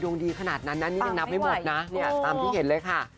เนี่ยตามที่เห็นเลยค่ะ